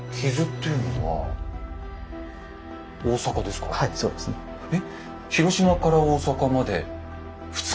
はいそうですね。え？